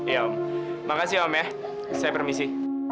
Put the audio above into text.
iya om makasih ya om ya saya permisi